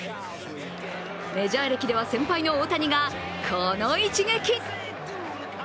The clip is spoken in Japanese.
メジャー歴では先輩の大谷がこの一撃。